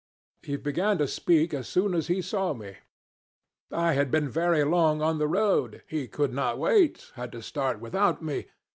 "He began to speak as soon as he saw me. I had been very long on the road. He could not wait. Had to start without me.